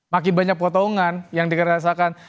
makin banyak potongan yang dikerasakan